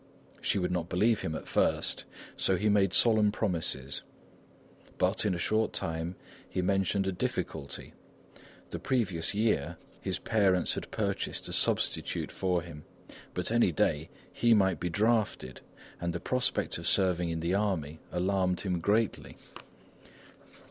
She would not believe him at first, so he made solemn promises. But, in a short time he mentioned a difficulty; the previous year, his parents had purchased a substitute for him; but any day he might be drafted and the prospect of serving in the army alarmed him greatly.